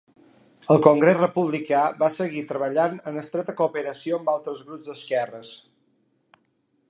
El Congrés Republicà va seguir treballant en estreta cooperació amb altres grups d"esquerres.